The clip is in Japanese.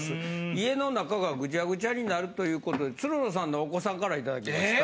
家の中がぐちゃぐちゃになるということでつるのさんのお子さんからいただきました。